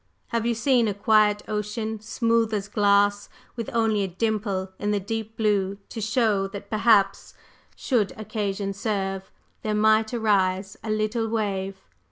Have you seen a quiet ocean, smooth as glass, with only a dimple in the deep blue to show that perhaps, should occasion serve, there might arise a little wave?